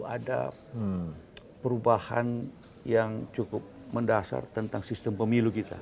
ada perubahan yang cukup mendasar tentang sistem pemilu kita